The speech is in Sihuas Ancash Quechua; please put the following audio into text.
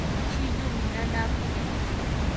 Shilluumi nanaakullan.